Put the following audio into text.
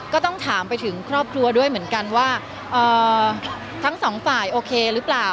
ก็ต้องถามไปถึงครอบครัวด้วยเหมือนกันว่าทั้งสองฝ่ายโอเคหรือเปล่า